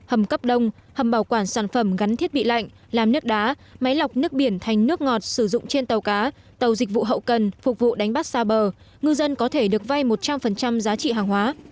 hầm cấp đông hầm bảo quản sản phẩm gắn thiết bị lạnh làm nước đá máy lọc nước biển thành nước ngọt sử dụng trên tàu cá tàu dịch vụ hậu cần phục vụ đánh bắt xa bờ ngư dân có thể được vay một trăm linh giá trị hàng hóa